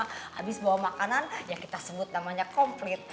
habis bawa makanan yang kita sebut namanya komplit